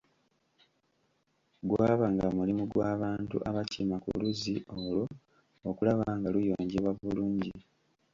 Gwabanga mulimu gw'abantu abakima ku luzzi olwo okulaba nga luyonjebwa bulungi.